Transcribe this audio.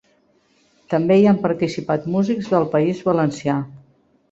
També hi han participat músics del País Valencià.